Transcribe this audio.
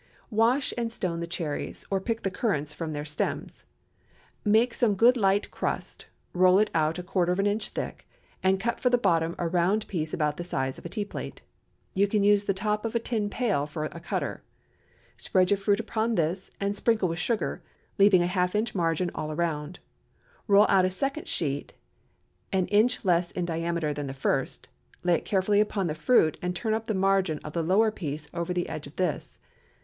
✠ Wash and stone the cherries, or pick the currants from their stems. Make some good light crust, roll it out a quarter of an inch thick, and cut for the bottom a round piece about the size of a tea plate. You can use the top of a tin pail for a cutter. Spread your fruit upon this, and sprinkle with sugar, leaving a half inch margin all around. Roll out a second sheet an inch less in diameter than the first, lay it carefully upon the fruit, and turn up the margin of the lower piece over the edge of this.